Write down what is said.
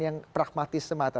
yang pragmatis semata